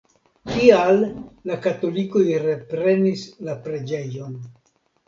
Tial la katolikoj reprenis la preĝejon.